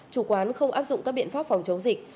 chủ quán không áp dụng các biện pháp phòng chống dịch